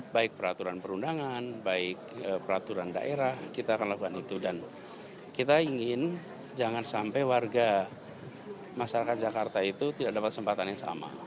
baik peraturan perundangan baik peraturan daerah kita akan lakukan itu dan kita ingin jangan sampai warga masyarakat jakarta itu tidak dapat kesempatan yang sama